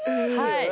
はい。